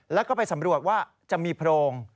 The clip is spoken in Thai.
แล้วก็ไปสำรวจว่าจะมีโพรง